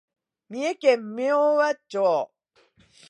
三重県明和町